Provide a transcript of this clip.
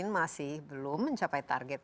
masih belum mencapai target